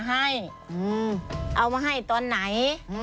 อันดับสุดท้าย